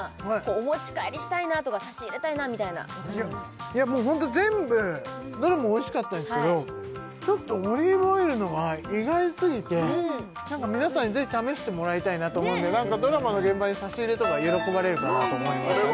お持ち帰りしたいなとか差し入れたいなみたいなもうホント全部どれもおいしかったんですけどちょっとオリーブオイルのが意外すぎて皆さんにぜひ試してもらいたいなと思うんでドラマの現場に差し入れとか喜ばれるかなと思いましたね